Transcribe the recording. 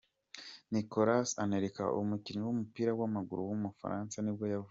Nicolas Anelka, umukinnyi w’umupira w’amaguru w’umufaransa nibwo yavutse.